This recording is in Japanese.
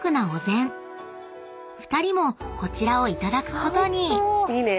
［２人もこちらをいただくことに］